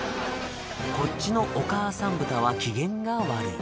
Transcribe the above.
こっちのお母さん豚は機嫌が悪い